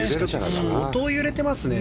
相当、揺れてますね。